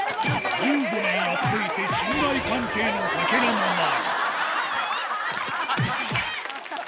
１５年やっていて、信頼関係のかけらもない。